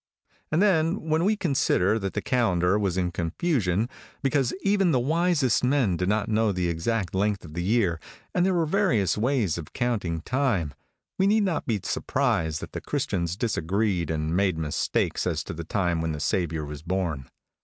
And then when we consider that the calendar was in confusion, because even the wisest men did not know the exact length of the year, and there were various ways of counting time, we need not be surprised that the Christians disagreed and made mistakes as to the time when the Saviour was born.